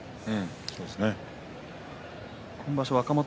そうです。